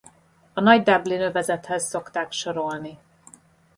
A Nagy Dublin Övezethez szokták sorolni.